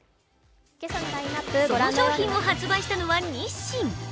その商品を発売したのは日清。